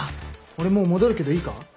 俺もう戻るけどいいか？